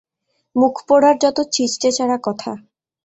মুখপোড়ার যত ছিষ্টেছাড়া কথা।